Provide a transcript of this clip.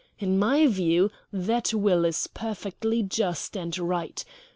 In my view that will is perfectly just and right.